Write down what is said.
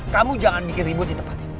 kamu jangan bikin ribut di tempat ini